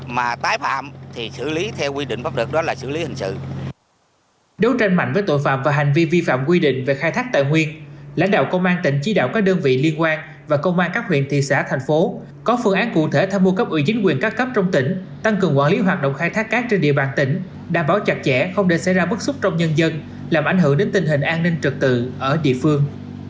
mà tái phạm thì xử lý theo quy định bắt được đó là xử lý hình sự đấu tranh mạnh với tội phạm và hành vi vi phạm quy định về khai thác tài nguyên lãnh đạo công an tỉnh chỉ đạo các đơn vị liên quan và công an các huyện thị xã thành phố có phương án cụ thể tham mưu cấp ủy chính quyền các cấp trong tỉnh tăng cường quản lý hoạt động khai thác cát trên địa bàn tỉnh đảm bảo chặt chẽ không để xảy ra bức xúc trong nhân dân làm ảnh hưởng đến tình hình an ninh trật tự ở địa phương